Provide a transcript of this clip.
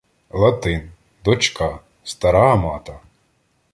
Латин, дочка, стара Амата